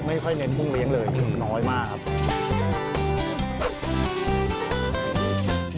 ไม่ค่อยเน้นกุ้งเลี้ยงเลยน้อยมากครับ